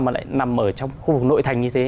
mà lại nằm ở trong khu vực nội thành như thế